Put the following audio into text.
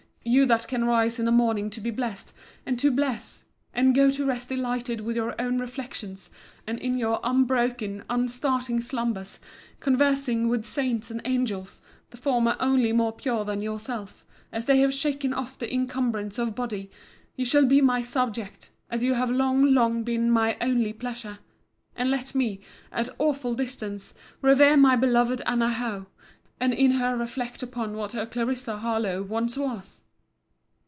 You that can rise in a morning to be blest, and to bless; and go to rest delighted with your own reflections, and in your unbroken, unstarting slumbers, conversing with saints and angels, the former only more pure than yourself, as they have shaken off the incumbrance of body; you shall be my subject, as you have long, long, been my only pleasure. And let me, at awful distance, revere my beloved Anna Howe, and in her reflect upon what her Clarissa Harlowe once was!